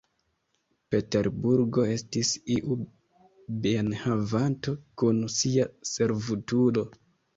Peterburgo estis iu bienhavanto kun sia servutulo.